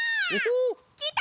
きた！